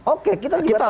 oke kita juga tahu